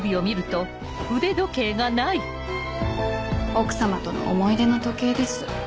奥様との思い出の時計です。